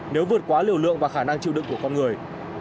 nếu vượt quá liều lượng và khả năng chịu đựng của con người